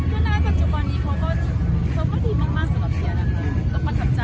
เพราะฉะนั้นกับจุดตอนนี้เขาก็เค้าก็ดีมากมากสำหรับเธอนะ